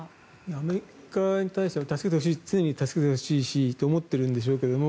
アメリカに対しては常に助けてほしいと思っているんでしょうけど